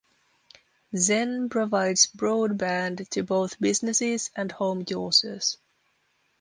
Zen provides broadband to both businesses and home users.